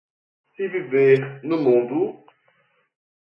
Se viver no mundo